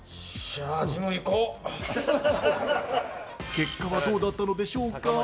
結果はどうだったのでしょうか。